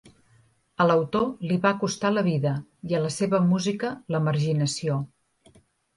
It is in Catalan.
A l'autor li va costar la vida i a la seva música la marginació.